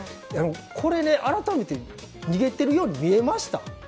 これね、改めて逃げてるように見えました？